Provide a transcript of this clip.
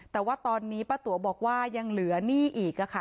แต่ว่าตอนนี้ป้าตั๋วบอกว่ายังเหลือหนี้อีกค่ะ